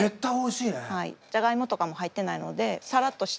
ジャガイモとかも入ってないのでサラッとした。